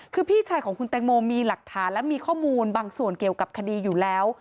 คือพี่ชายของคุณแตงโมมีหลักฐานและมีข้อมูลบางส่วนเกี่ยวกับคดีอยู่แล้ว